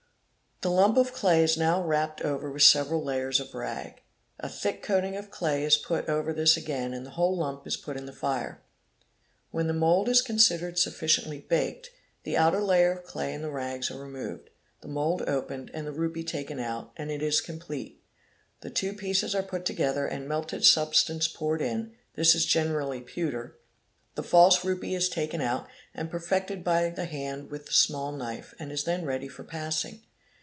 The lump of clay is now ;_ wrapped over with several layers of rag. A thick coating of clay is put "over this again and the whole lump is put in the fire. When the mould 7 is considered sufficiently baked, the outer layer of clay and the rags are _ removed, the mould opened, and the rupee taken out, and it is complete. _ The two pieces are put together and melted substance poured in (this is generally pewter); the false rupee is taken out and perfected by the hand with the small knife, and is then ready for passing.